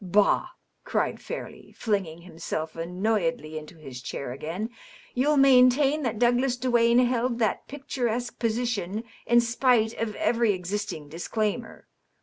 " Bah !" cried Fairleigh, flinging himself annoyedly into his chair again. ^^ You'll maintain that Douglas Duane hdd that picturesque position, in spite of every existing disclaimer.